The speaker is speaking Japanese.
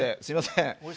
すいません。